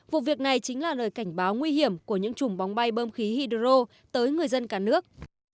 vụ việc này chính là lời cảnh báo nguy hiểm của những chùm bóng bay bơm khí hydro tới người dân cả nước